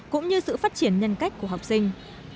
cũng như sự phát triển nhân cách của học sinh